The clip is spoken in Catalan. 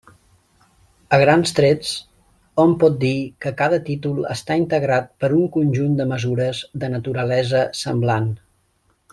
A grans trets, hom pot dir que cada títol està integrat per un conjunt de mesures de naturalesa semblant.